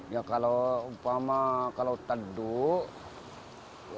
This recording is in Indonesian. ya kalau upama kalau tenduk